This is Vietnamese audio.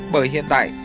bởi hiện tại